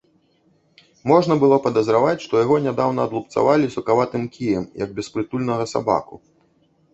Можна было падазраваць, што яго нядаўна адлупцавалі сукаватым кіем, як беспрытульнага сабаку.